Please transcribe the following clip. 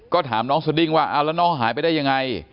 ก็ถามน้องสดิ้งว่าน้องหายไปได้ยังไง